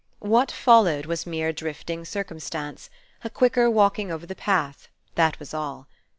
What followed was mere drifting circumstance, a quicker walking over the path, that was all.